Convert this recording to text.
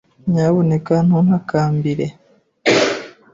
Nyamuneka ntuntakambire.